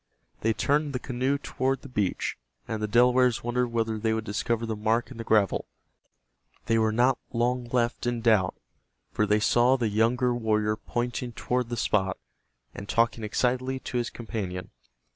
They turned the canoe toward the beach, and the Delawares wondered whether they would discover the mark in the gravel. They were not long left in doubt, for they saw the younger warrior pointing toward the spot, and talking excitedly to his companion.